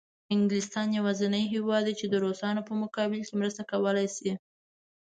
انګلستان یوازینی هېواد دی چې د روسانو په مقابل کې مرسته کولای شي.